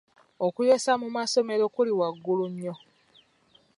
Okuyosa mu masomero kuli waggulu nnyo.